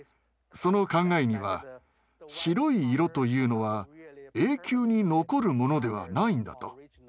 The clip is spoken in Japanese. その考えには白い色というのは永久に残るものではないんだと。